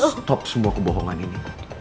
stop semua kebohongan ini